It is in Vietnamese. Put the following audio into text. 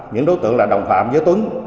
những đối tượng là đồng phạm với tuấn